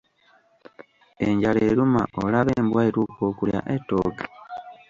Enjala eruma olaba embwa etuuka okulya ettooke.